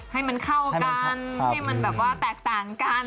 ให้มันเข้ากันให้มันแบบว่าแตกต่างกัน